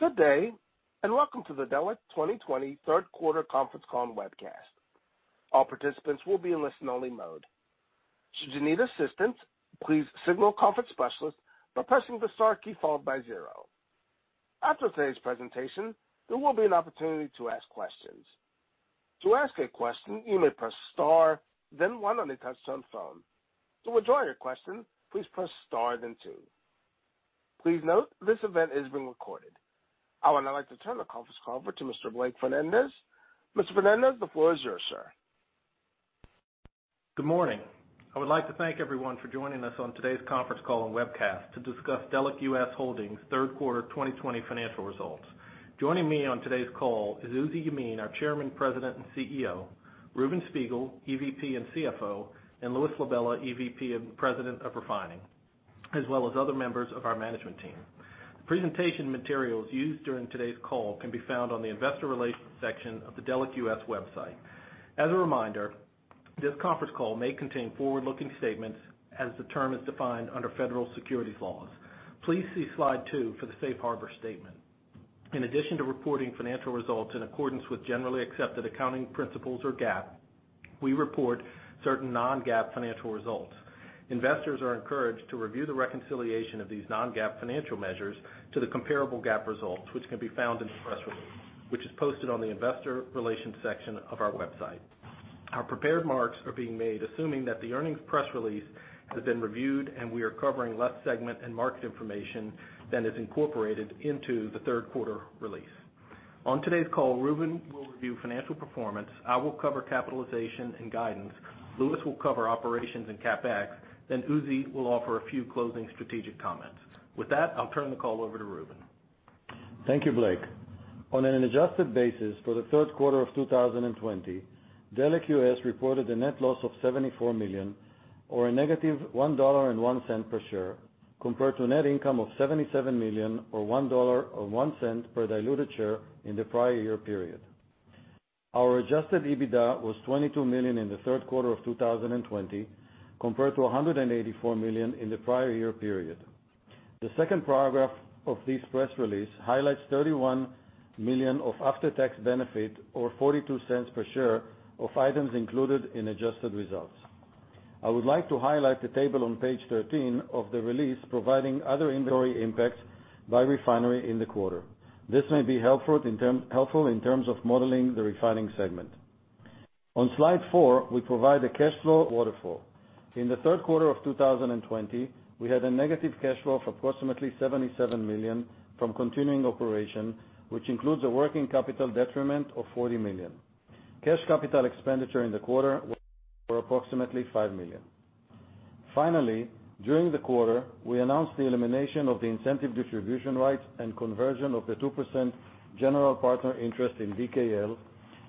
Good day, welcome to the Delek 2020 third quarter conference call and webcast. All participants would be in a listen-only mode. Should you need assistance, please signal the conference specialist by pressing the star key followed by zero. After the presentation, you will be enabled to ask questions. To ask a question, you may press star then one on your touch tone phone. To withdraw your question, please press star then two. Please note, this event is being recorded. I would now like to turn the conference call over to Mr. Blake Fernandez. Mr. Fernandez, the floor is yours, sir. Good morning. I would like to thank everyone for joining us on today's conference call and webcast to discuss Delek US Holdings' third quarter 2020 financial results. Joining me on today's call is Uzi Yemin, our Chairman, President, and CEO, Reuven Spiegel, EVP and CFO, and Louis LaBella, EVP and President of Refining, as well as other members of our management team. Presentation materials used during today's call can be found on the Investor Relations section of the Delek US website. As a reminder, this conference call may contain forward-looking statements as the term is defined under federal securities laws. Please see slide two for the safe harbor statement. In addition to reporting financial results in accordance with generally accepted accounting principles or GAAP, we report certain non-GAAP financial results. Investors are encouraged to review the reconciliation of these non-GAAP financial measures to the comparable GAAP results, which can be found in the press release, which is posted on the Investor Relations section of our website. Our prepared remarks are being made assuming that the earnings press release has been reviewed and we are covering less segment and market information than is incorporated into the third quarter release. On today's call, Reuven will review financial performance, I will cover capitalization and guidance, Louis will cover operations and CapEx, then Uzi will offer a few closing strategic comments. With that, I'll turn the call over to Reuven. Thank you, Blake. On an adjusted basis for the third quarter of 2020, Delek US reported a net loss of $74 million, or a -$1.01 per share, compared to net income of $77 million, or $1.01 per diluted share in the prior year period. Our adjusted EBITDA was $22 million in the third quarter of 2020, compared to $184 million in the prior year period. The second paragraph of this press release highlights $31 million of after-tax benefit, or $0.42 per share, of items included in adjusted results. I would like to highlight the table on page 13 of the release, providing other inventory impacts by refinery in the quarter. This may be helpful in terms of modeling the refining segment. On slide four, we provide the cash flow waterfall. In the third quarter of 2020, we had a negative cash flow of approximately $77 million from continuing operation, which includes a working capital detriment of $40 million. Cash capital expenditure in the quarter was approximately $5 million. Finally, during the quarter, we announced the elimination of the incentive distribution rights and conversion of the 2% general partner interest in DKL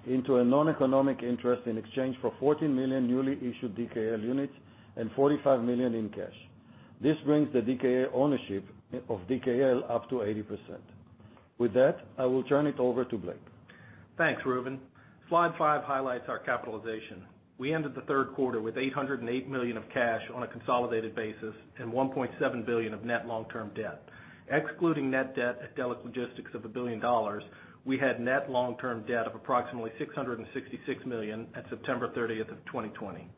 into a noneconomic interest in exchange for 14 million newly issued DKL units and $45 million in cash. This brings the ownership of DKL up to 80%. With that, I will turn it over to Blake. Thanks, Reuven. Slide five highlights our capitalization. We ended the third quarter with $808 million of cash on a consolidated basis and $1.7 billion of net long-term debt. Excluding net debt at Delek Logistics of $1 billion, we had net long-term debt of approximately $666 million at September 30th, 2020.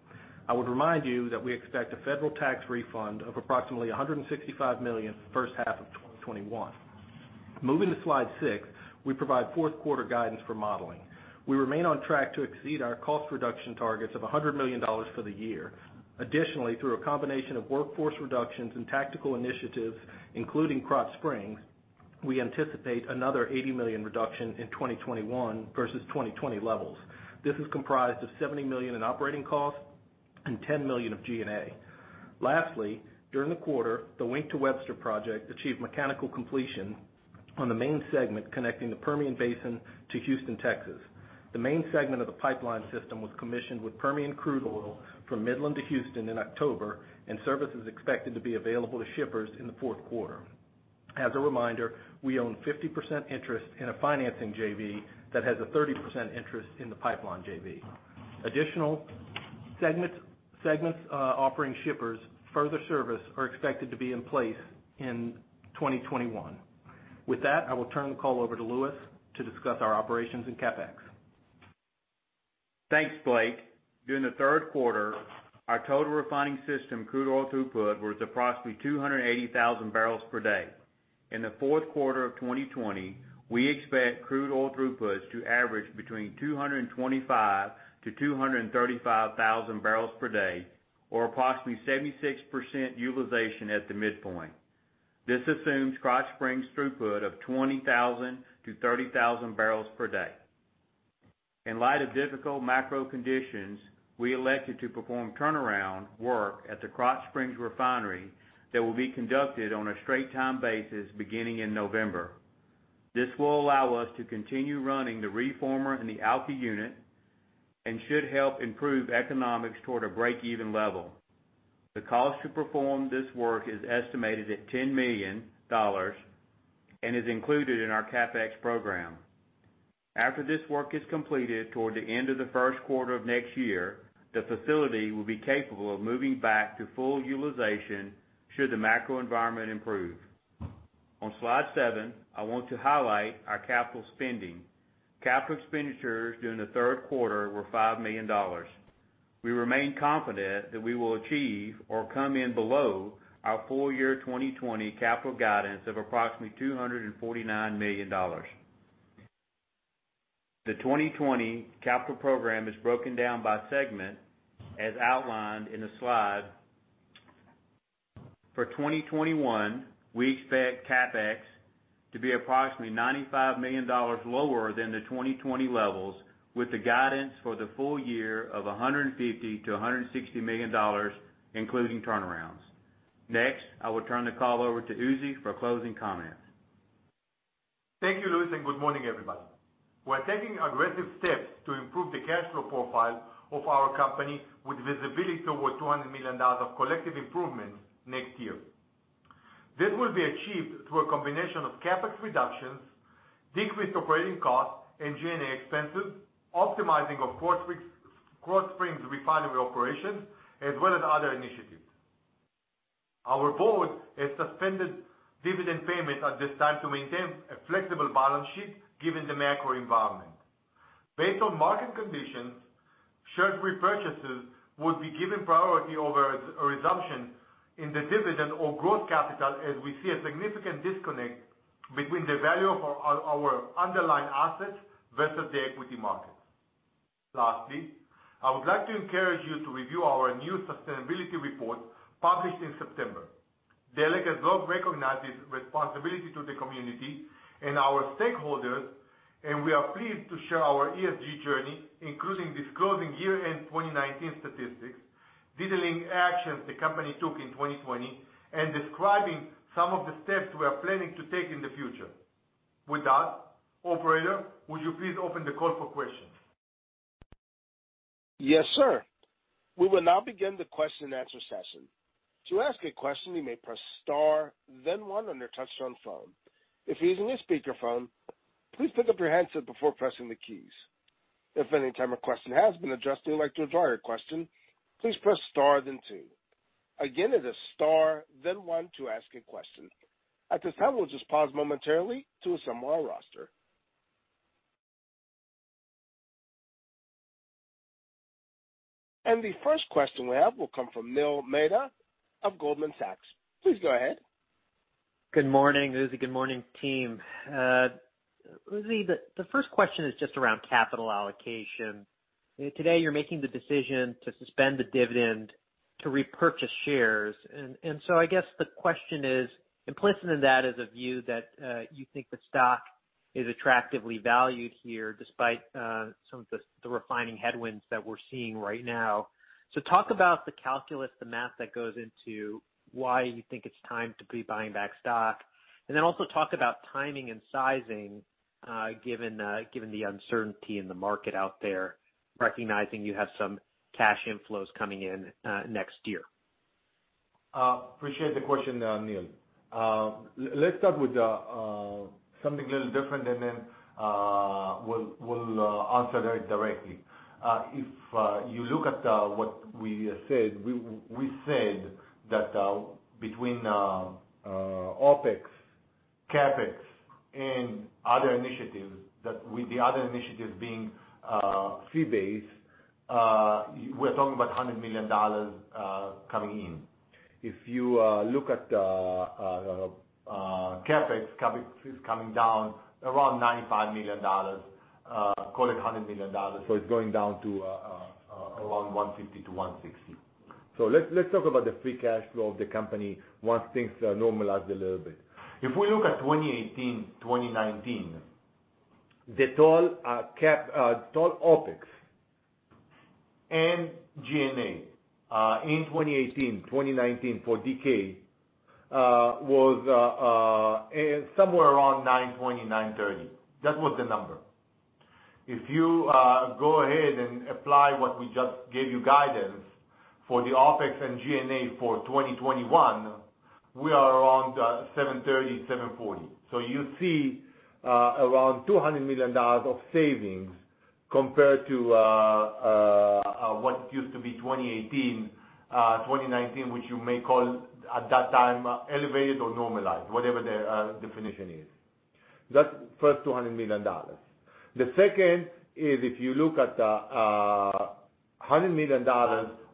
I would remind you that we expect a federal tax refund of approximately $165 million the first half of 2021. Moving to slide six, we provide fourth quarter guidance for modeling. We remain on track to exceed our cost reduction targets of $100 million for the year. Through a combination of workforce reductions and tactical initiatives, including Krotz Springs, we anticipate another $80 million reduction in 2021 versus 2020 levels. This is comprised of $70 million in operating costs and $10 million of G&A. Lastly, during the quarter, the Wink to Webster project achieved mechanical completion on the main segment connecting the Permian Basin to Houston, Texas. The main segment of the pipeline system was commissioned with Permian crude oil from Midland to Houston in October. Service is expected to be available to shippers in the fourth quarter. As a reminder, we own 50% interest in a financing JV that has a 30% interest in the pipeline JV. Additional segments offering shippers further service are expected to be in place in 2021. With that, I will turn the call over to Louis to discuss our operations and CapEx. Thanks, Blake. During the third quarter, our total refining system crude oil throughput was approximately 280,000 bbl per day. In the fourth quarter of 2020, we expect crude oil throughputs to average between 225,000 bbl-235,000 bbl per day, or approximately 76% utilization at the midpoint. This assumes Krotz Springs throughput of 20,000 bbl-30,000 bbl per day. In light of difficult macro conditions, we elected to perform turnaround work at the Krotz Springs refinery that will be conducted on a straight time basis beginning in November. This will allow us to continue running the reformer and the alky unit and should help improve economics toward a break-even level. The cost to perform this work is estimated at $10 million and is included in our CapEx program. After this work is completed toward the end of the first quarter of next year, the facility will be capable of moving back to full utilization should the macro environment improve. On slide seven, I want to highlight our capital spending. Capital expenditures during the third quarter were $5 million. We remain confident that we will achieve or come in below our full year 2020 capital guidance of approximately $249 million. The 2020 capital program is broken down by segment as outlined in the slide. For 2021, we expect CapEx to be approximately $95 million lower than the 2020 levels, with the guidance for the full year of $150 million-$160 million, including turnarounds. Next, I will turn the call over to Uzi for closing comments. Thank you, Louis, and good morning, everybody. We're taking aggressive steps to improve the cash flow profile of our company with visibility toward $200 million of collective improvements next year. This will be achieved through a combination of CapEx reductions, decreased operating costs, and G&A expenses, optimizing of Krotz Springs refinery operations, as well as other initiatives. Our board has suspended dividend payment at this time to maintain a flexible balance sheet, given the macro environment. Based on market conditions, share repurchases would be given priority over a resumption in the dividend or growth capital as we see a significant disconnect between the value of our underlying assets versus the equity market. Lastly, I would like to encourage you to review our new sustainability report published in September. Delek has long recognized its responsibility to the community and our stakeholders, and we are pleased to share our ESG journey, including disclosing year-end 2019 statistics, detailing actions the company took in 2020, and describing some of the steps we are planning to take in the future. With that, operator, would you please open the call for questions? Yes, sir. We will now begin the question and answer session. To ask a question, you may press star then one on your touch tone phone. If you are using speakerphone, please put on the handset before pressing the key. If you want to withdraw the question, please press star then two. Again press the star then one to ask a question. At this time we will just pause momentarily to sum our rosters. The first question we have will come from Neil Mehta of Goldman Sachs. Please go ahead. Good morning, Uzi. Good morning, team. Uzi, the first question is just around capital allocation. Today you're making the decision to suspend the dividend to repurchase shares. I guess the question is, implicit in that is a view that you think the stock is attractively valued here despite some of the refining headwinds that we're seeing right now. Talk about the calculus, the math that goes into why you think it's time to be buying back stock, and then also talk about timing and sizing, given the uncertainty in the market out there, recognizing you have some cash inflows coming in next year. Appreciate the question, Neil. Let's start with something a little different, and then we'll answer that directly. If you look at what we said, we said that between OpEx, CapEx, and other initiatives. That with the other initiatives being fee-based, we're talking about $100 million coming in. If you look at CapEx, fees coming down around $95 million, call it $100 million. It's going down to around $150 million-$160 million. Let's talk about the free cash flow of the company once things normalize a little bit. If we look at 2018, 2019, the total OpEx and G&A in 2018, 2019 for DK was somewhere around $920 million-$930 million. That was the number. If you go ahead and apply what we just gave you guidance for the OpEx and G&A for 2021, we are around $730 million-$740 million. You see around $200 million of savings compared to what used to be 2018, 2019, which you may call at that time elevated or normalized, whatever the definition is. That's first $200 million. The second is if you look at $100 million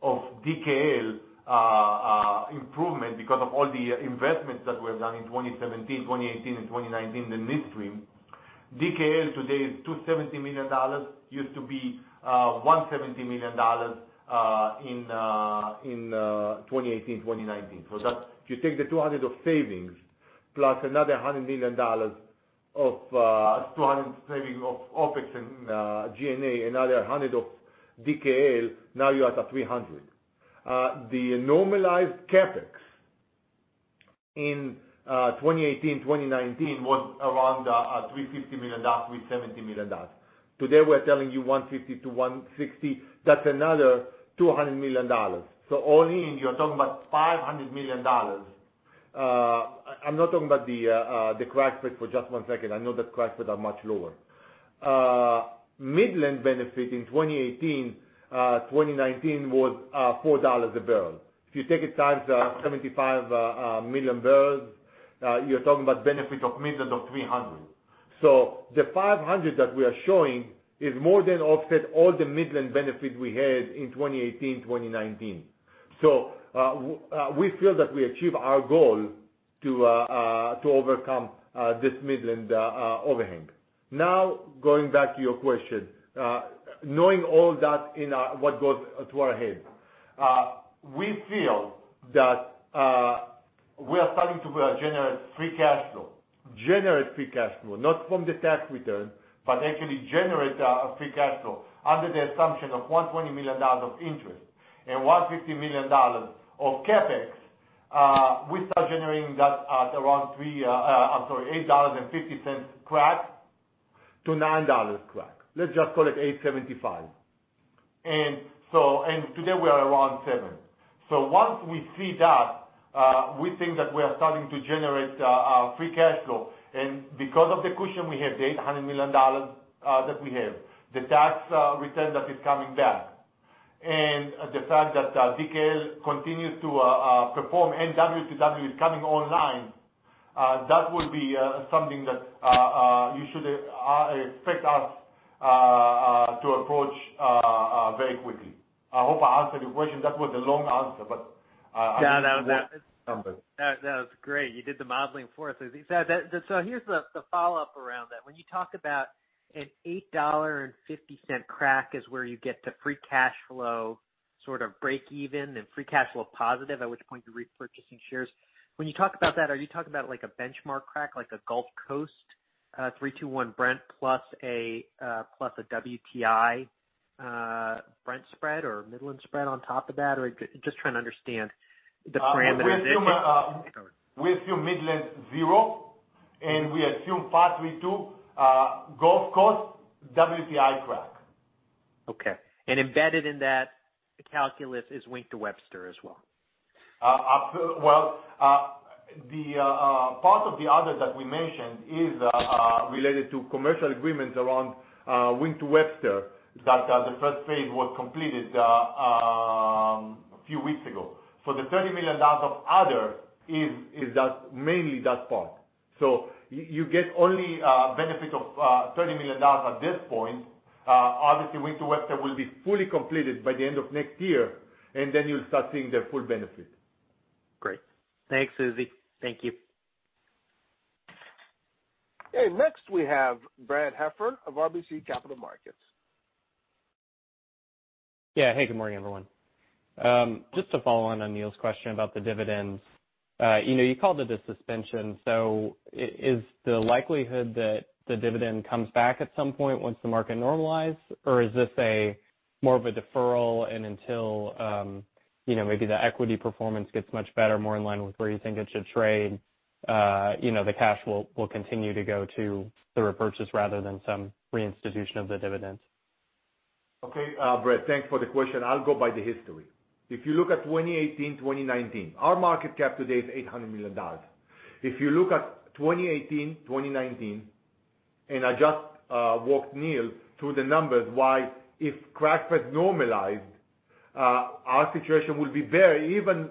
of DKL improvement because of all the investments that were done in 2017, 2018, and 2019 in the midstream. DKL today is $270 million, used to be $170 million in 2018, 2019. If you take the $200 of savings plus another $100 million, $200 savings of OpEx and G&A, another $100 of DKL, now you're at a $300. The normalized CapEx in 2018, 2019, was around $350 million, $370 million. Today, we're telling you $150 million-$160 million. That's another $200 million. All in, you're talking about $500 million. I'm not talking about the crack spread for just one second. I know that crack spread are much lower. Midland benefit in 2018, 2019 was $4 a bbl. If you take it times 75 million bbl, you're talking about benefit of $300 million. The $500 million that we are showing is more than offset all the Midland benefit we had in 2018, 2019. We feel that we achieve our goal to overcome this Midland overhang. Going back to your question. Knowing all that in what goes to our head. We feel that we are starting to generate free cash flow. Generate free cash flow, not from the tax return, but actually generate free cash flow under the assumption of $120 million of interest and $150 million of CapEx. We start generating that at around $8.50 crack to $9 crack. Let's just call it $8.75. Today we are around $7. Once we see that, we think that we are starting to generate free cash flow. Because of the cushion we have, the $800 million that we have, the tax return that is coming back, and the fact that DKL continues to perform and W2W is coming online, that will be something that you should expect us to approach very quickly. I hope I answered your question. That was a long answer. No, that was great. You did the modeling for us. Here's the follow-up around that. When you talk about an $8.50 crack is where you get to free cash flow, sort of break even, and free cash flow positive, at which point you're repurchasing shares. When you talk about that, are you talking about like a benchmark crack, like a Gulf Coast 3-2-1 Brent plus a WTI Brent spread or a Midland spread on top of that, or just trying to understand the parameters there? We assume Midland zero, and we assume Part 32 Gulf Coast WTI crack. Okay. Embedded in that calculus is Wink to Webster as well. Part of the other that we mentioned is related to commercial agreements around Wink to Webster, that the first phase was completed a few weeks ago. The $30 million of other is mainly that part. You get only benefit of $30 million at this point. Obviously, Wink to Webster will be fully completed by the end of next year, and then you'll start seeing the full benefit. Great. Thanks, Uzi. Thank you. Next we have Brad Heffern of RBC Capital Markets. Hey, good morning, everyone. Just to follow on Neil's question about the dividends. You called it a suspension, so is the likelihood that the dividend comes back at some point once the market normalize, or is this more of a deferral, and until maybe the equity performance gets much better, more in line with where you think it should trade the cash will continue to go to the repurchase rather than some reinstitution of the dividends? Okay. Brad, thanks for the question. I'll go by the history. If you look at 2018, 2019, our market cap today is $800 million. If you look at 2018, 2019, I just walked Neil through the numbers, why if crack spread normalized, our situation will be very even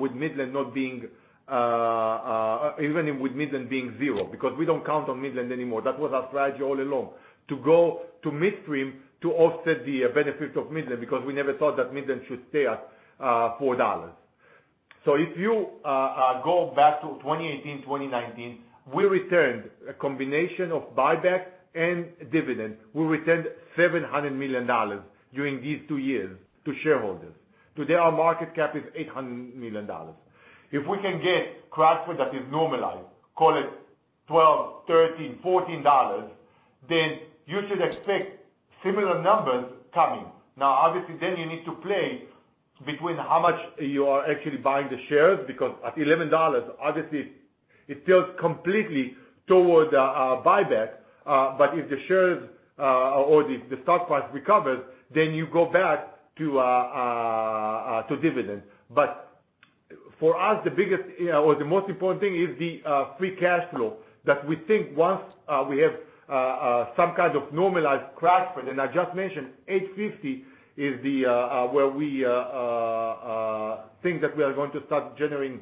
with Midland being zero, because we don't count on Midland anymore. That was our strategy all along, to go to Midstream to offset the benefit of Midland, because we never thought that Midland should stay at $4. If you go back to 2018, 2019, we returned a combination of buyback and dividend. We returned $700 million during these two years to shareholders. Today, our market cap is $800 million. If we can get crack spread that is normalized, call it $12, $13, $14, you should expect similar numbers coming. Obviously, you need to play between how much you are actually buying the shares, because at $11, obviously, it tilts completely towards buyback. If the shares or the stock price recovers, you go back to dividend. For us, the biggest or the most important thing is the free cash flow that we think once we have some kind of normalized crack spread, and I just mentioned $8.50 is where we think that we are going to start generating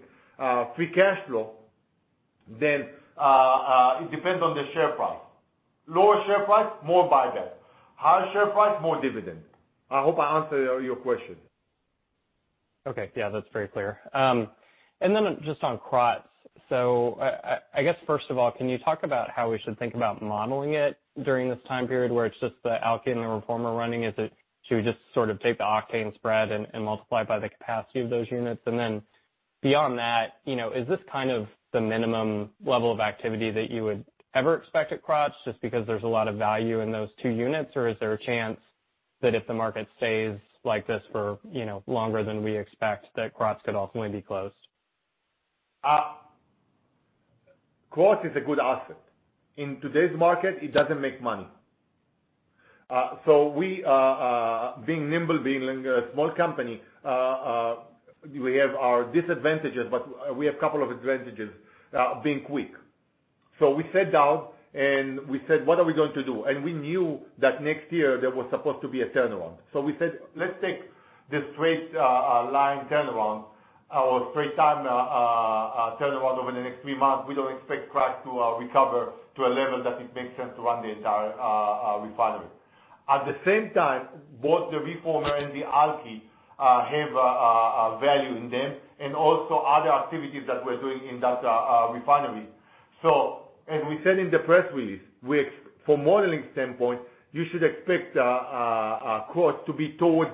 free cash flow, it depends on the share price. Lower share price, more buyback. Higher share price, more dividend. I hope I answered all your question. Okay. Yeah, that's very clear. Just on Krotz. I guess first of all, can you talk about how we should think about modeling it during this time period where it's just the alky and reformer running? Is it to just sort of take the octane spread and multiply by the capacity of those units? Beyond that, is this kind of the minimum level of activity that you would ever expect at Krotz, just because there's a lot of value in those two units, or is there a chance that if the market stays like this for longer than we expect, that Krotz could ultimately be closed? Krotz is a good asset. In today's market, it doesn't make money. We, being nimble, being a small company, we have our disadvantages, but we have a couple of advantages being quick. We sat down, and we said: What are we going to do? We knew that next year there was supposed to be a turnaround. We said: Let's take this straight line turnaround or straight time turnaround over the next three months. We don't expect price to recover to a level that it makes sense to run the entire refinery. At the same time, both the reformer and the alky have a value in them, and also other activities that we're doing in that refinery. As we said in the press release, from modeling standpoint, you should expect Krotz to be toward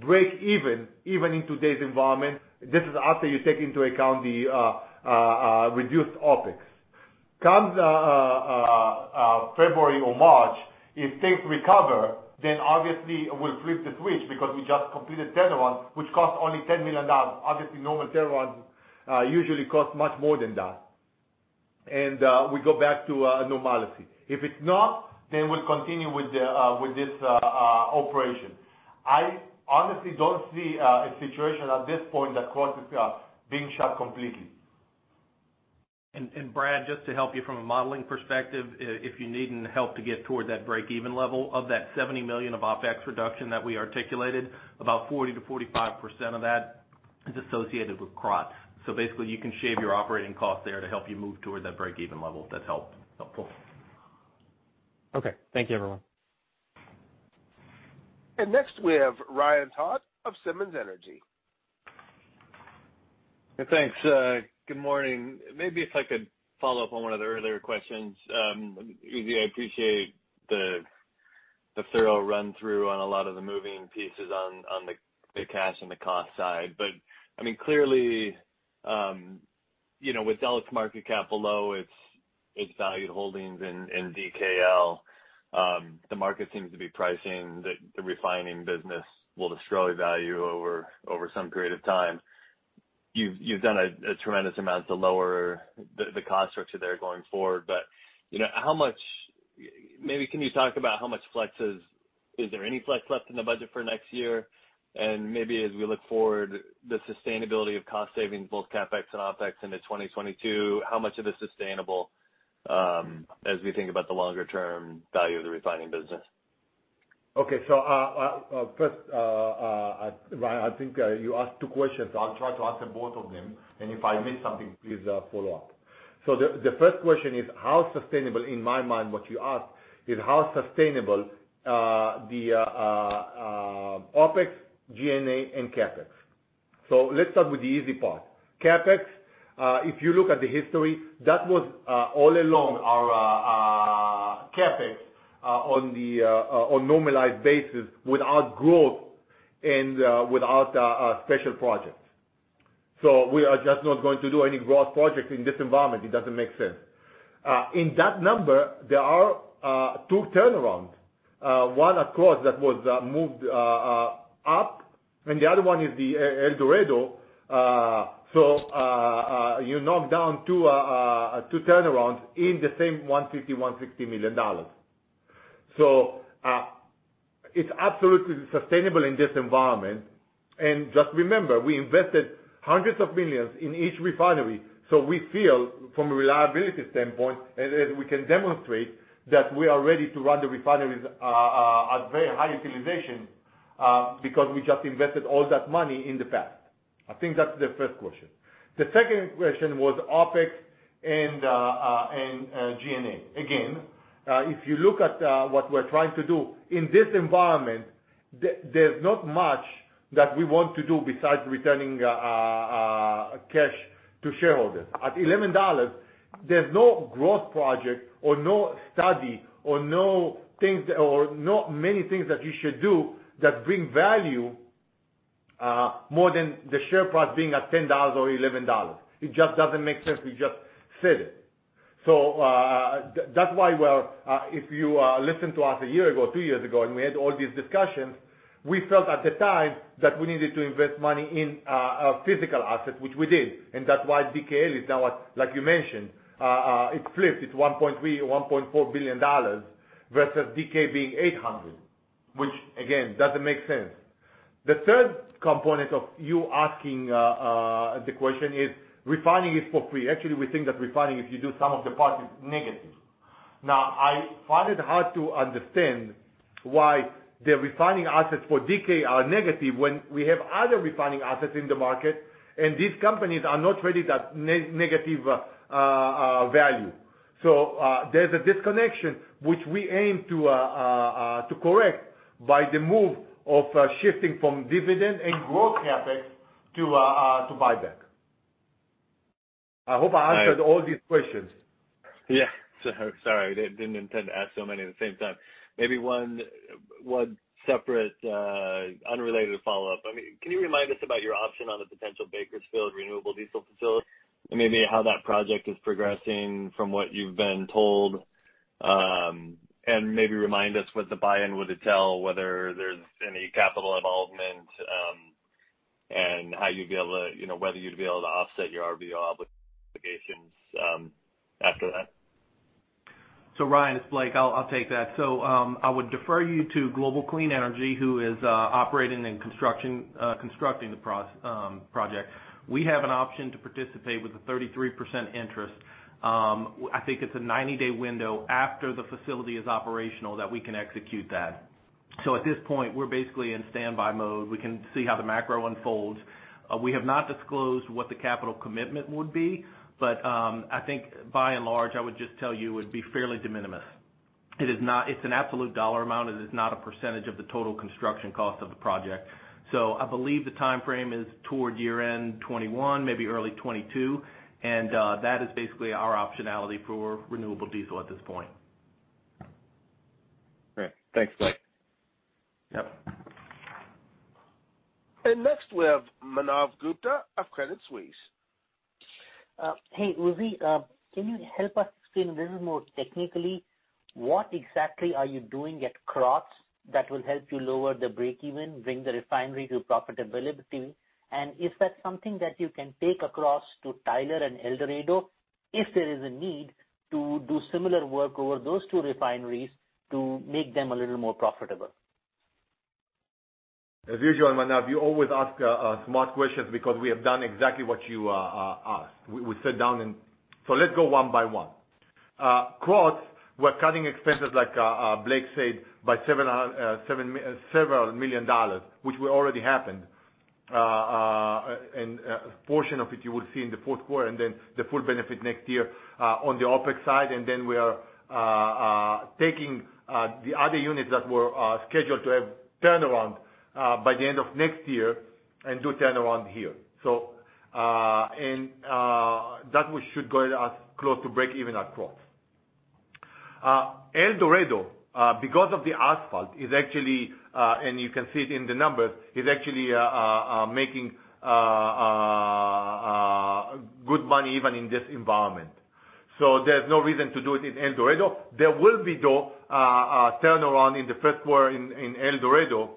breakeven, even in today's environment. This is after you take into account the reduced OpEx. Comes February or March, if things recover, then obviously we'll flip the switch because we just completed turnarounds, which cost only $10 million. Obviously, normal turnarounds usually cost much more than that. We go back to normality. If it's not, we'll continue with this operation. I honestly don't see a situation at this point that Krotz is being shut completely. Brad, just to help you from a modeling perspective, if you're needing help to get toward that breakeven level of that $70 million of OpEx reduction that we articulated, about 40%-45% of that is associated with Krotz. Basically you can shave your operating cost there to help you move towards that breakeven level. That's helpful. Okay. Thank you everyone. Next we have Ryan Todd of Simmons Energy. Thanks. Good morning. Maybe if I could follow up on one of the earlier questions. Uzi, I appreciate the thorough run through on a lot of the moving pieces on the cash and the cost side. Clearly, with Delek's market cap below its valued holdings in DKL. The market seems to be pricing the refining business will destroy value over some period of time. You've done a tremendous amount to lower the cost structure there going forward. Maybe can you talk about how much flex is there any flex left in the budget for next year? And maybe as we look forward, the sustainability of cost savings, both CapEx and OpEx into 2022, how much of it is sustainable, as we think about the longer-term value of the refining business? Okay. First, Ryan, I think you asked two questions. I'll try to answer both of them, and if I miss something, please follow up. The first question is how sustainable, in my mind what you ask is how sustainable the OpEx, G&A, and CapEx. Let's start with the easy part. CapEx. If you look at the history, that was all along our CapEx on normalized basis without growth and without special projects. We are just not going to do any growth projects in this environment. It doesn't make sense. In that number, there are two turnarounds. One at Krotz that was moved up, and the other one is the El Dorado. You knock down two turnarounds in the same $150 million, $160 million. It's absolutely sustainable in this environment. Just remember, we invested hundreds of millions in each refinery. We feel from a reliability standpoint, as we can demonstrate, that we are ready to run the refineries at very high utilization, because we just invested all that money in the past. I think that's the first question. The second question was OpEx and G&A. Again, if you look at what we're trying to do in this environment, there's not much that we want to do besides returning cash to shareholders. At $11, there's no growth project or no study or not many things that you should do that bring value, more than the share price being at $10 or $11. It just doesn't make sense. We just said it. That's why if you listened to us a year ago, two years ago, and we had all these discussions, we felt at the time that we needed to invest money in physical assets, which we did. That's why DKL is now at, like you mentioned. It flipped. It's $1.3 billion, $1.4 billion versus DK being $800 million, which again, doesn't make sense. The third component of you asking the question is refining is for free. Actually, we think that refining, if you do some of the parts, is negative. I find it hard to understand why the refining assets for DK are negative when we have other refining assets in the market, and these companies are not trading at negative value. There's a disconnection which we aim to correct by the move of shifting from dividend and growth CapEx to buyback. I hope I answered all these questions. Yeah. Sorry, didn't intend to ask so many at the same time. Maybe one separate unrelated follow-up. Can you remind us about your option on the potential Bakersfield renewable diesel facility? Maybe how that project is progressing from what you've been told. Maybe remind us what the buy-in would entail, whether there's any capital involvement, and whether you'd be able to offset your RVO obligations after that. Ryan, it's Blake. I'll take that. I would defer you to Global Clean Energy, who is operating and constructing the project. We have an option to participate with a 33% interest. I think it's a 90-day window after the facility is operational that we can execute that. At this point, we're basically in standby mode. We can see how the macro unfolds. We have not disclosed what the capital commitment would be. I think by and large, I would just tell you it would be fairly de minimis. It's an absolute dollar amount. It is not a percentage of the total construction cost of the project. I believe the timeframe is toward year-end 2021, maybe early 2022. That is basically our optionality for renewable diesel at this point. Great. Thanks, Blake. Yep. Next we have Manav Gupta of Credit Suisse. Hey, Uzi. Can you help us explain a little more technically what exactly are you doing at Krotz that will help you lower the break-even, bring the refinery to profitability? Is that something that you can take across to Tyler and El Dorado if there is a need to do similar work over those two refineries to make them a little more profitable? As usual, Manav, you always ask smart questions because we have done exactly what you asked. We sat down. Let's go one by one. Krotz, we're cutting expenses, like Blake said, by several million dollars, which already happened. A portion of it you will see in the fourth quarter, then the full benefit next year on the OpEx side. We are taking the other units that were scheduled to have turnaround by the end of next year and do turnaround here. That should get us close to break-even at Krotz. El Dorado, because of the asphalt, and you can see it in the numbers, is actually making good money even in this environment. There's no reason to do it in El Dorado. There will be, though, a turnaround in the first quarter in El Dorado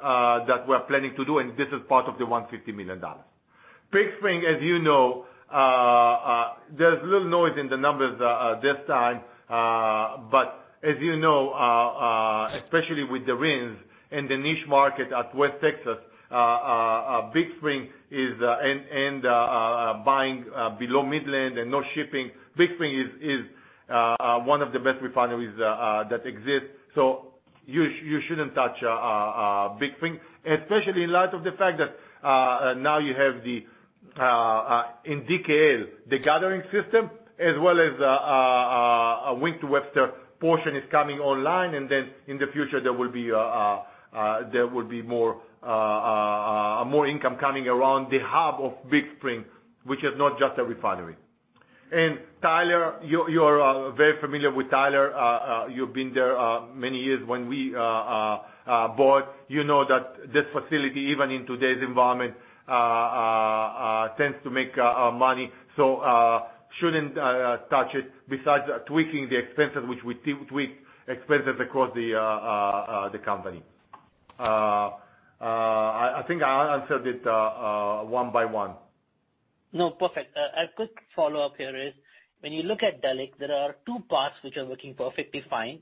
that we're planning to do, and this is part of the $150 million. Big Spring, as you know, there's little noise in the numbers this time. As you know, especially with the RINs and the niche market at West Texas, and buying below Midland and no shipping, Big Spring is one of the best refineries that exists. You shouldn't touch Big Spring, especially in light of the fact that now you have in DKL, the gathering system, as well as Wink to Webster portion is coming online, and then in the future there will be more income coming around the hub of Big Spring, which is not just a refinery. Tyler, you are very familiar with Tyler. You've been there many years. When we bought, you know that this facility, even in today's environment tends to make money. Shouldn't touch it besides tweaking the expenses, which we tweak expenses across the company. I think I answered it one by one. No, perfect. A quick follow-up here is, when you look at Delek, there are two parts which are working perfectly fine.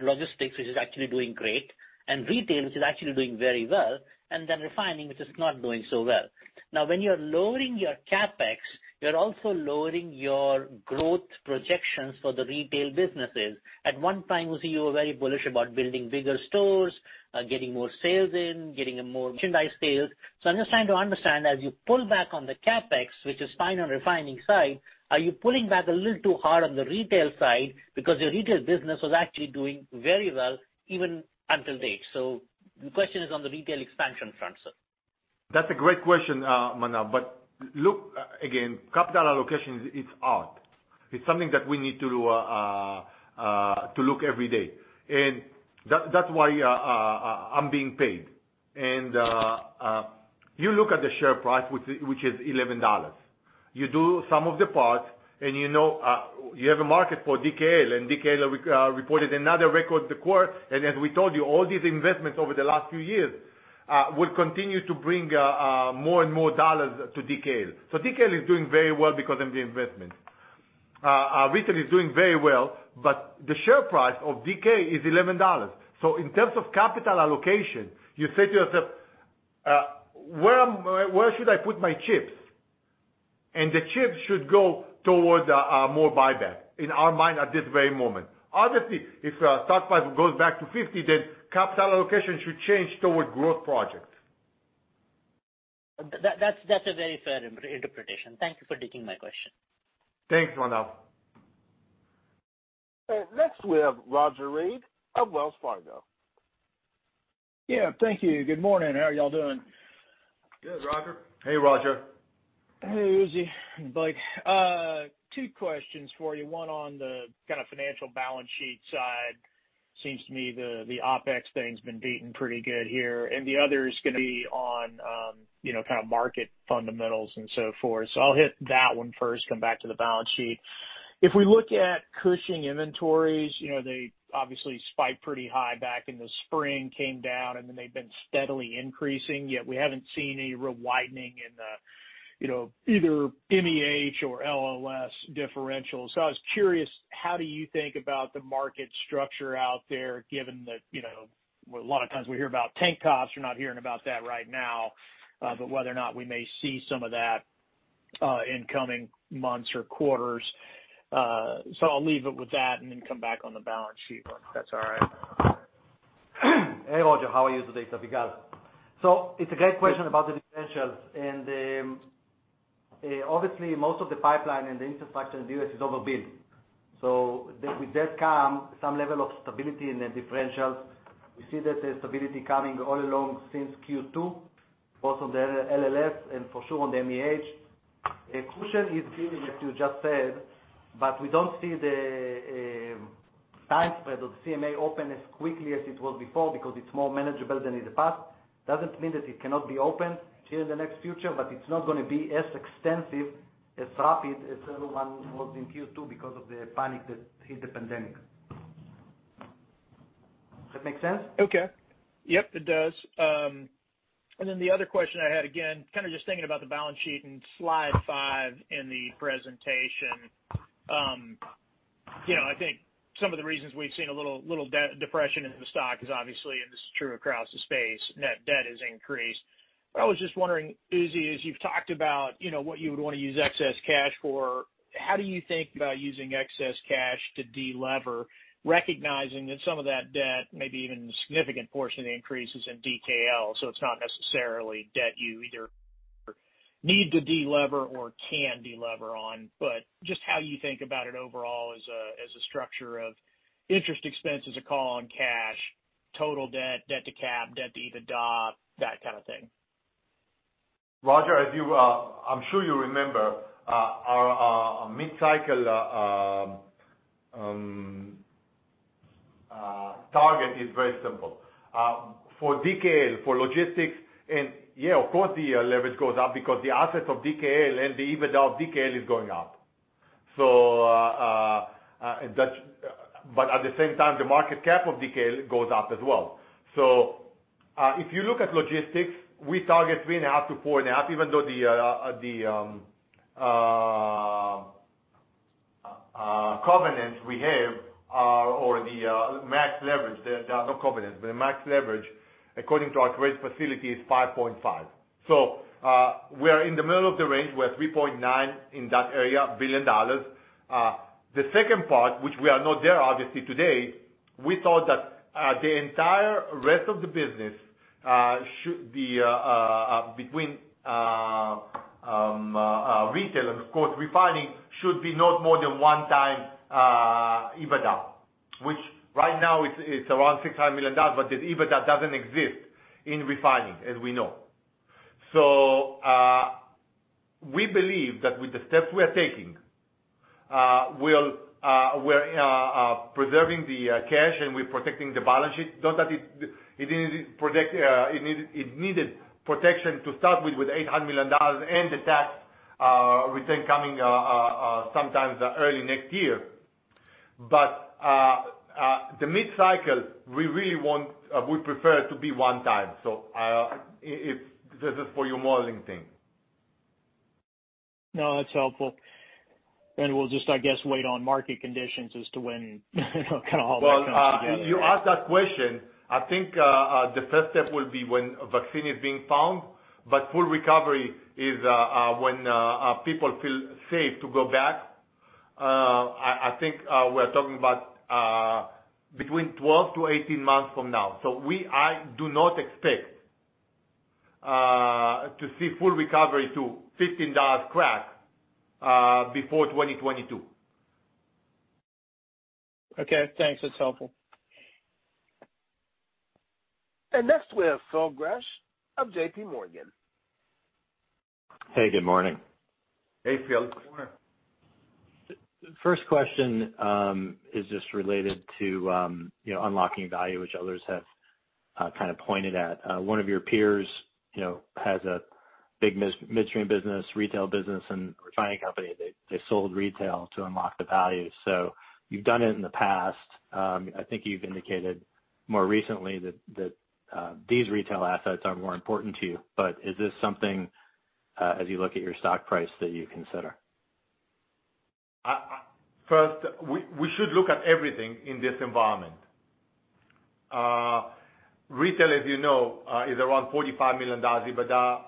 Logistics, which is actually doing great, and retail, which is actually doing very well, and then refining, which is not doing so well. When you're lowering your CapEx, you're also lowering your growth projections for the retail businesses. At one time, Uzi, you were very bullish about building bigger stores, getting more sales in, getting more merchandise sales. I'm just trying to understand, as you pull back on the CapEx, which is fine on refining side, are you pulling back a little too hard on the retail side? Your retail business was actually doing very well even until date. The question is on the retail expansion front, sir. That's a great question, Manav. Look again, capital allocation, it's hard. It's something that we need to look every day. That's why I'm being paid. You look at the share price, which is $11. You do some of the parts and you have a market for DKL, and DKL reported another record quarter. As we told you, all these investments over the last few years will continue to bring more and more dollars to DKL. DKL is doing very well because of the investment. Retail is doing very well, but the share price of DKL is $11. In terms of capital allocation, you say to yourself, "Where should I put my chips?" The chips should go towards more buyback, in our mind, at this very moment. Obviously, if stock price goes back to $50, then capital allocation should change towards growth project. That's a very fair interpretation. Thank you for taking my question. Thanks, Manav. Next we have Roger Read of Wells Fargo. Yeah, thank you. Good morning. How are y'all doing? Good, Roger. Hey, Roger. Hey, Uzi and Blake. Two questions for you. One on the kind of financial balance sheet side. Seems to me the OpEx thing's been beaten pretty good here. The other is going to be on market fundamentals and so forth. I'll hit that one first, come back to the balance sheet. If we look at Cushing inventories, they obviously spiked pretty high back in the spring, came down, and then they've been steadily increasing, yet we haven't seen any real widening in the, either MEH or LLS differential. I was curious, how do you think about the market structure out there, given that a lot of times we hear about tank tops. We're not hearing about that right now. Whether or not we may see some of that, in coming months or quarters. I'll leave it with that and then come back on the balance sheet, if that's all right. Hey, Roger. How are you today? Good. It's a great question about the differentials. Obviously, most of the pipeline and the infrastructure in the U.S. is overbilled. With that come some level of stability in the differentials. We see that there's stability coming all along since Q2, both on the LLS and for sure on the MEH. Cushing is giving, as you just said, but we don't see the time spread of CMA open as quickly as it was before because it's more manageable than in the past. Doesn't mean that it cannot be opened here in the next future, but it's not going to be as extensive, as rapid as everyone was in Q2 because of the panic that hit the pandemic. Does that make sense? Okay. Yep, it does. The other question I had, again, kind of just thinking about the balance sheet in slide five in the presentation. I think some of the reasons we've seen a little depression in the stock is obviously, and this is true across the space, net debt has increased. I was just wondering, Uzi, as you've talked about what you would want to use excess cash for, how do you think about using excess cash to de-lever, recognizing that some of that debt, maybe even a significant portion of the increase, is in DKL, so it's not necessarily debt you either need to de-lever or can de-lever on. Just how you think about it overall as a structure of interest expense as a call on cash, total debt to cap, debt to EBITDA, that kind of thing. Roger, I'm sure you remember, our mid-cycle target is very simple. For DKL, for logistics, and yeah, of course, the leverage goes up because the assets of DKL and the EBITDA of DKL is going up. At the same time, the market cap of DKL goes up as well. If you look at logistics, we target 3.5-4.5, even though the covenants we have or the max leverage, not covenants, but the max leverage according to our credit facility is 5.5. We are in the middle of the range. We're at $3.9 billion in that area. The second part, which we are not there obviously today, we thought that the entire rest of the business between retail and of course, refining should be not more than one time EBITDA. Right now it's around $600 million. The EBITDA doesn't exist in refining, as we know. We believe that with the steps we are taking, we're preserving the cash, and we're protecting the balance sheet. Not that it needed protection to start with with $800 million and the tax we think coming sometime early next year. The mid-cycle, we prefer to be one time. This is for your modeling thing. No, that's helpful. We'll just, I guess, wait on market conditions as to when kind of all that comes together. You asked that question. I think the first step will be when a vaccine is being found, but full recovery is when people feel safe to go back. I think we're talking about between 12 months-18 months from now. I do not expect to see full recovery to $15 crack before 2022. Okay, thanks. That's helpful. Next we have Phil Gresh of JPMorgan. Hey, good morning. Hey, Phil. Good morning. First question, is just related to unlocking value, which others have kind of pointed at. One of your peers has a big midstream business, retail business, and refining company. They sold retail to unlock the value. You've done it in the past. I think you've indicated more recently that these retail assets are more important to you. Is this something, as you look at your stock price, that you consider? First, we should look at everything in this environment. Retail, as you know, is around $45 million EBITDA.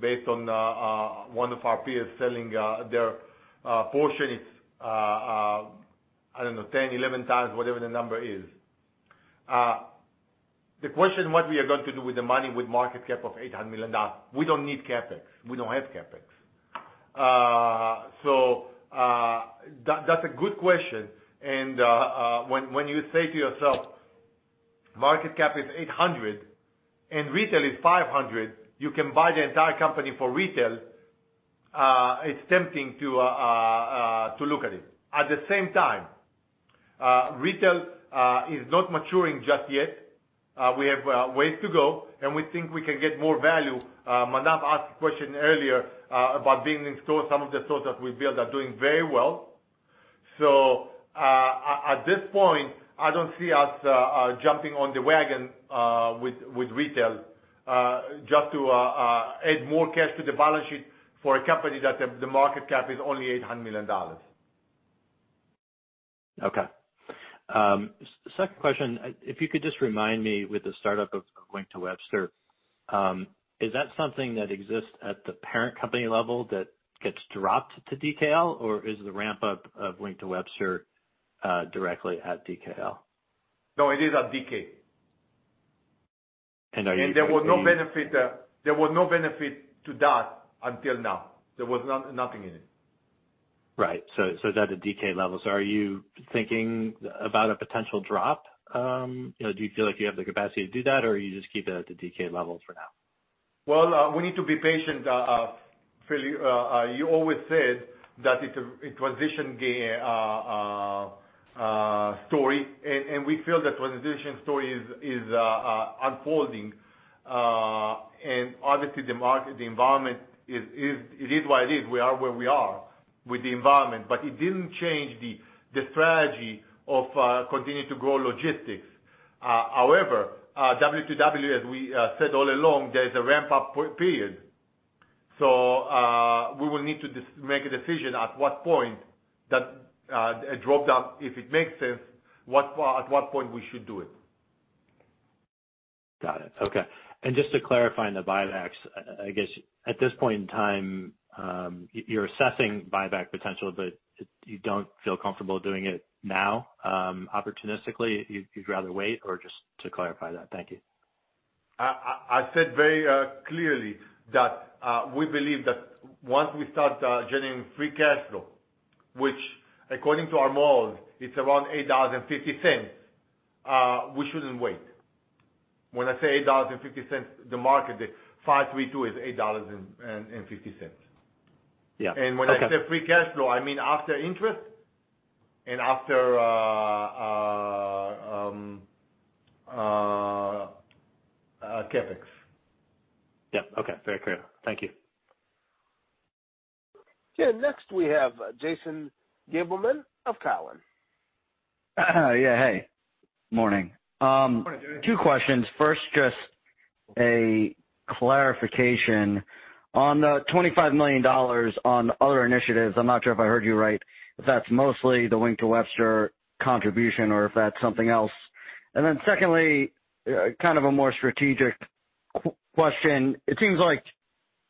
Based on one of our peers selling their portion, it's, I don't know, 10x, 11x, whatever the number is. The question, what we are going to do with the money with market cap of $800 million, we don't need CapEx. We don't have CapEx. That's a good question. When you say to yourself, market cap is $800 million and retail is $500 million, you can buy the entire company for retail. It's tempting to look at it. At the same time, retail is not maturing just yet. We have a ways to go, and we think we can get more value. Manav asked a question earlier about being in store. Some of the stores that we built are doing very well. At this point, I don't see us jumping on the wagon with retail, just to add more cash to the balance sheet for a company that the market cap is only $800 million. Okay. Second question, if you could just remind me with the startup of Wink to Webster, is that something that exists at the parent company level that gets dropped to DKL? Or is the ramp-up of Wink to Webster directly at DKL? No, it is at DK. And are you- There was no benefit to that until now. There was nothing in it. Right. It's at the DK level. Are you thinking about a potential drop? Do you feel like you have the capacity to do that, or you just keep it at the DK level for now? We need to be patient, Phil. You always said that it's a transition story. We feel the transition story is unfolding. Obviously, the environment, it is what it is. We are where we are with the environment. It didn't change the strategy of continuing to grow logistics. W2W, as we said all along, there is a ramp-up period. We will need to make a decision at what point that a drop-down, if it makes sense, at what point we should do it. Got it. Okay. Just to clarify on the buybacks, I guess at this point in time, you're assessing buyback potential, but you don't feel comfortable doing it now. Opportunistically, you'd rather wait, just to clarify that? Thank you. I said very clearly that we believe that once we start generating free cash flow, which according to our models, it's around $8.50, we shouldn't wait. When I say $8.50, the market, the 5-3-2 is $8.50. Yeah. Okay. When I say free cash flow, I mean after interest and after CapEx. Yep. Okay. Very clear. Thank you. Yeah. Next, we have Jason Gabelman of Cowen. Yeah. Hey, morning. Morning, Jason. Two questions. First, just a clarification on the $25 million on other initiatives. I'm not sure if I heard you right, if that's mostly the Wink to Webster contribution or if that's something else. Secondly, kind of a more strategic question. It seems like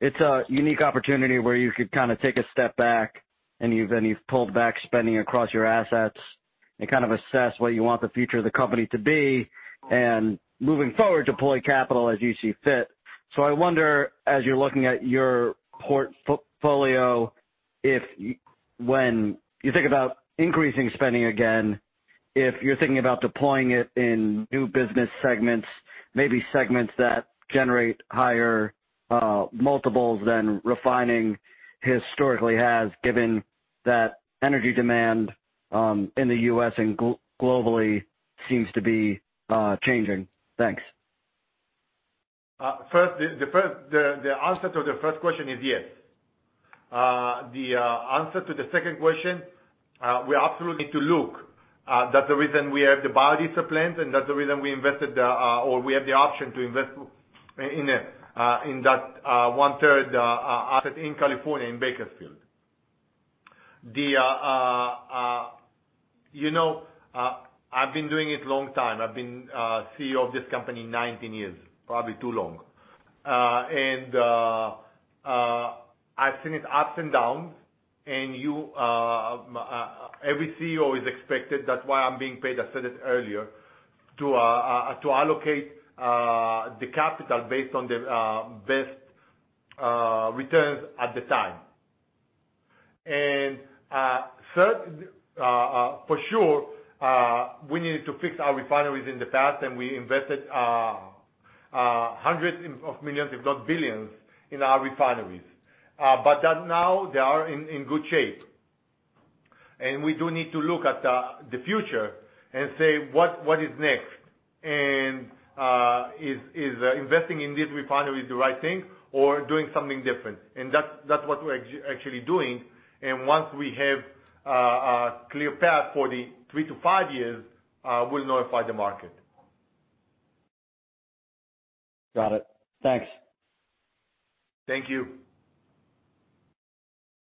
it's a unique opportunity where you could take a step back, and you've pulled back spending across your assets and kind of assess what you want the future of the company to be, and moving forward, deploy capital as you see fit. I wonder, as you're looking at your portfolio, when you think about increasing spending again, if you're thinking about deploying it in new business segments, maybe segments that generate higher multiples than refining historically has, given that energy demand in the U.S. and globally seems to be changing. Thanks. The answer to the first question is yes. The answer to the second question, we absolutely need to look. That's the reason we have the biofuels, and that's the reason we invested or we have the option to invest in that 1/3 asset in California in Bakersfield. I've been doing it long time. I've been CEO of this company 19 years, probably too long. I've seen its ups and downs, and every CEO is expected, that's why I'm being paid, I said it earlier, to allocate the capital based on the best returns at the time. For sure, we needed to fix our refineries in the past, and we invested hundreds of millions, if not billions, in our refineries. Now they are in good shape. We do need to look at the future and say, "What is next?" Is investing in these refineries the right thing or doing something different? That's what we're actually doing. Once we have a clear path for the three to five years, we'll notify the market. Got it. Thanks. Thank you.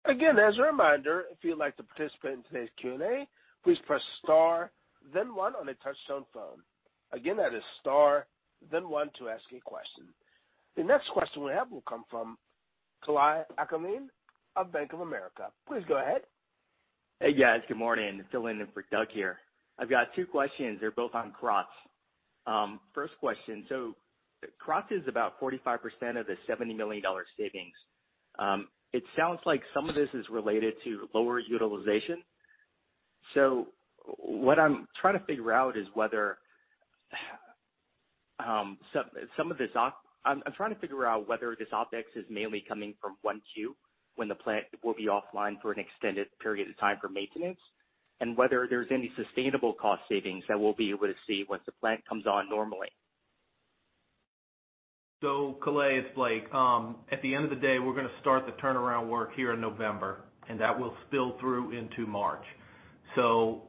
As a reminder, if you'd like to participate in today's Q&A, please press star then one on a touchtone phone. That is star then one to ask a question. The next question we have will come from Kalei Akamine of Bank of America. Please go ahead. Hey, guys. Good morning. Filling in for Doug here. I've got two questions, they're both on Krotz. First question, Krotz is about 45% of the $70 million savings. It sounds like some of this is related to lower utilization. What I'm trying to figure out is whether this OpEx is mainly coming from 1Q when the plant will be offline for an extended period of time for maintenance, and whether there's any sustainable cost savings that we'll be able to see once the plant comes on normally. Kalei, Blake, at the end of the day, we're going to start the turnaround work here in November, and that will spill through into March.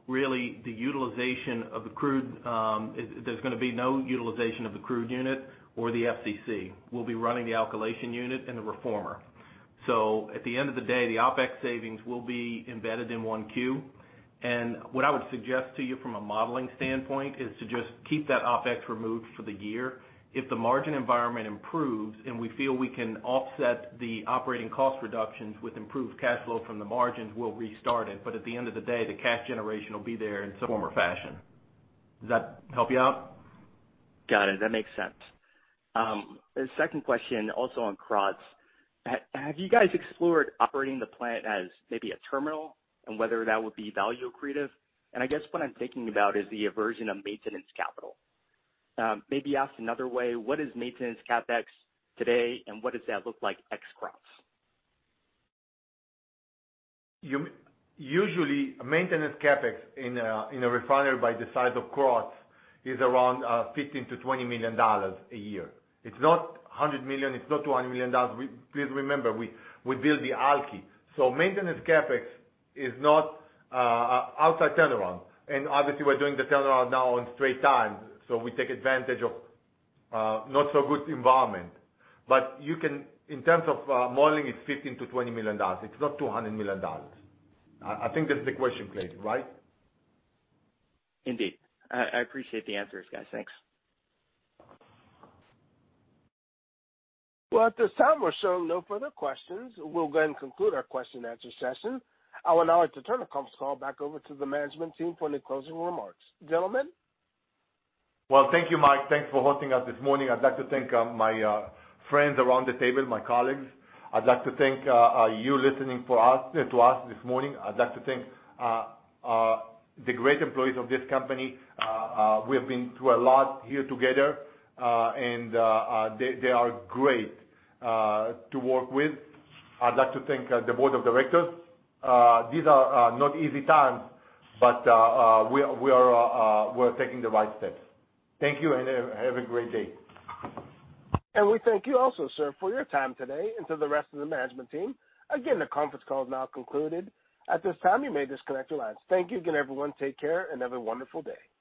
Really, there's going to be no utilization of the crude unit or the FCC. We'll be running the alkylation unit and the reformer. At the end of the day, the OpEx savings will be embedded in 1Q. What I would suggest to you from a modeling standpoint is to just keep that OpEx removed for the year. If the margin environment improves and we feel we can offset the operating cost reductions with improved cash flow from the margins, we'll restart it. At the end of the day, the cash generation will be there in some form or fashion. Does that help you out? Got it. That makes sense. The second question, also on Krotz. Have you guys explored operating the plant as maybe a terminal, and whether that would be value accretive? I guess what I'm thinking about is the aversion of maintenance capital. Maybe asked another way, what is maintenance CapEx today, and what does that look like ex Krotz? Usually, maintenance CapEx in a refinery by the size of Krotz is around $15 million-$20 million a year. It's not $100 million. It's not $200 million. Please remember, we build the alky. Maintenance CapEx is not outside turnaround. Obviously, we're doing the turnaround now on straight time, so we take advantage of not so good environment. In terms of modeling, it's $15 million-$20 million. It's not $200 million. I think that's the question, Blake, right? Indeed. I appreciate the answers, guys. Thanks. Well, at this time, we're showing no further questions. We'll go ahead and conclude our question and answer session. I will now return the conference call back over to the management team for any closing remarks. Gentlemen? Well, thank you, Mike. Thanks for hosting us this morning. I'd like to thank my friends around the table, my colleagues. I'd like to thank you listening to us this morning. I'd like to thank the great employees of this company. We have been through a lot here together, and they are great to work with. I'd like to thank the board of directors. These are not easy times, but we're taking the right steps. Thank you, and have a great day. We thank you also, sir, for your time today and to the rest of the management team. Again, the conference call is now concluded. At this time, you may disconnect your lines. Thank you again, everyone. Take care, and have a wonderful day.